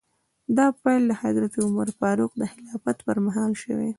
دا پیل د حضرت عمر فاروق د خلافت په مهال شوی.